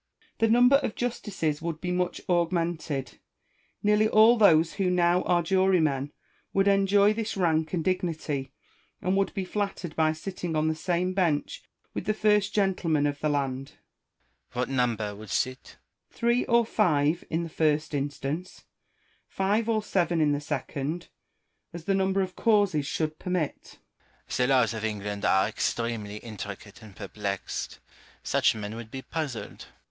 The number of justices would bo much augmented : nearly all those who now are jurymen would enjoy this rank and dignity, and would be flattered by sitting on tlie same bench with the first gentlemen of the land. Rousseau. What number would sit 1 Malesherhes. Tliree or five in the first instance ; five or seven in the second — as the number of causes should permit. ROUSSEAU AND MALESHERBES. 257 Rousseau. The laws of England are extremely intricate and perplexed : such men would be puzzled.